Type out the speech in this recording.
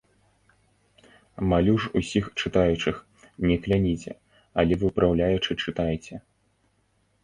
Малю ж усіх чытаючых, не кляніце, але выпраўляючы чытайце.